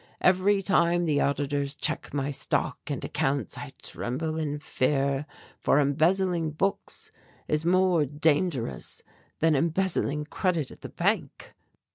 Every time the auditors check my stock and accounts I tremble in fear, for embezzling books is more dangerous than embezzling credit at the bank."